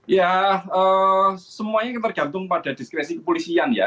ya semuanya tergantung pada diskresi kepolisian ya